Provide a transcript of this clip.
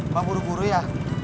bang buru buru ya